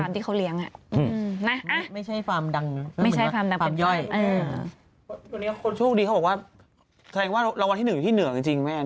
ที่เชียงใหม่ถูกสั่งใบ